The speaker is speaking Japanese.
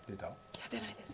いや出ないです。